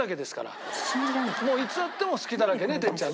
もういつ会っても隙だらけね哲ちゃんね。